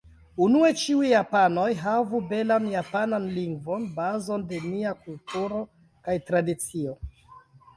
Unue ĉiuj japanoj havu belan japanan lingvon, bazon de nia kulturo kaj tradicio.